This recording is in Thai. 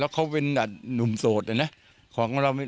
แล้วเขาเป็นหัวหนุ่มโสดเนอะ